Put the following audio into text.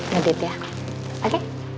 ngedate ya oke